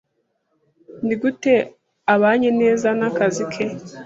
Nigute abanye neza nakazi ke?